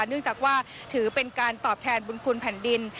เนื่องจากว่าถือเป็นการตอบแทนบุญคุณแผ่นดิน